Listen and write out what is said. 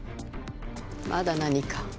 まだ何か？